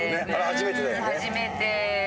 初めて。